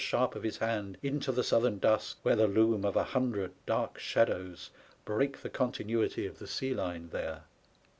sharp of his hand into the southern dusk, where the loom of a hundred dark shadows break the continuity of the sea line there.